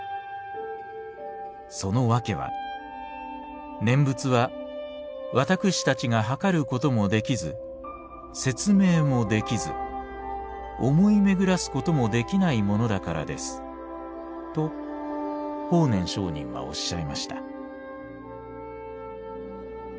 そのわけは念仏は私たちが量ることもできず説明もできず思いめぐらすこともできないものだからです』と法然上人はおっしゃいました」。